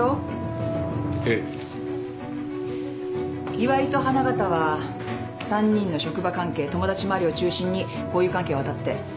岩井と花形は３人の職場関係友達周りを中心に交友関係を当たって。